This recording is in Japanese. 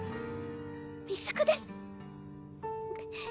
未熟です